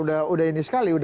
sudah ini sekali